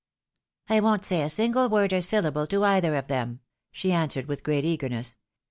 " I won't say a single word or syllable to either of them," she answered with great eagerness.